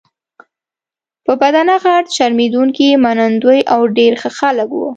په بدنه غټ، شرمېدونکي، منندوی او ډېر ښه خلک وو.